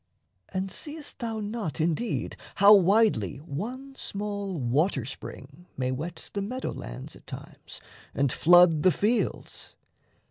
And seest thou not, indeed, How widely one small water spring may wet The meadow lands at times and flood the fields?